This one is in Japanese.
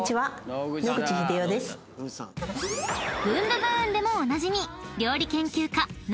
［『ブンブブーン！』でもおなじみ］